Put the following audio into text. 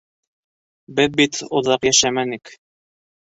Беҙ бит оҙаҡ йәшәмәнек.